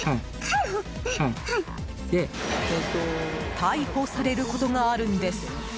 逮捕されることがあるんです。